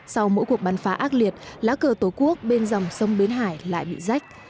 sau mỗi cuộc bắn phá ác liệt lá cờ tổ quốc bên dòng sông bến hải lại bị rách